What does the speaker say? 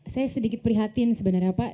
saya sedikit prihatin sebenarnya pak